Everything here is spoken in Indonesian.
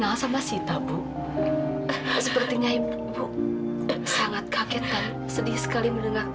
aku pesenan kamu nih